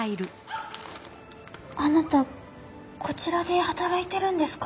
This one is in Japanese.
あなたこちらで働いてるんですか？